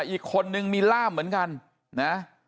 อีกคนนึงมีล่ามเหมือนกันนะ